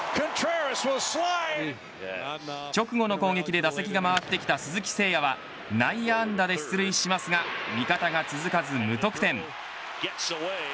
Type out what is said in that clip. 直後の攻撃で打席が回ってきた鈴木誠也は内安打で出塁しますが味方が続かず無得点。